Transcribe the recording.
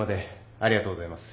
ありがとうございます。